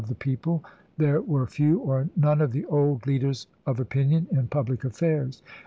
the people. There were few or none of the old leaders of opinion in public affairs.